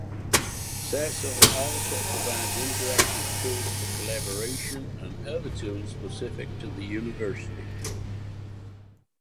Cecil also provides interactive tools for collaboration and other tools specific to the University.